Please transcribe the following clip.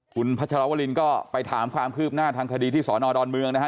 คุณพัชรวรินก็ไปถามความคืบหน้าทางคดีที่สอนอดอนเมืองนะฮะ